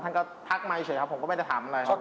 ท่านก็ทักมาเฉยครับผมก็ไม่ได้ถามอะไร